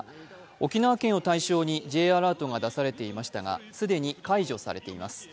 沖縄県を対象にＪアラートが出されていましたが、既に解除されています。